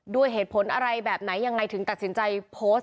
ด้วยเหตุผลอะไรแบบไหนยังไงถึงตัดสินใจโพสต์